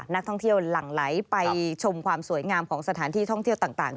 นักท่องเที่ยวหลั่งไหลไปชมความสวยงามของสถานที่ท่องเที่ยวต่าง